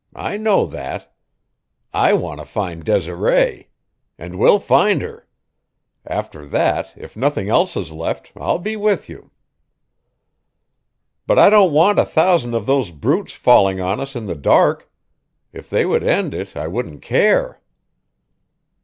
I know that. I want to find Desiree. And we'll find her. After that, if nothing else is left, I'll be with you." "But I don't want a thousand of those brutes falling on us in the dark. If they would end it I wouldn't care."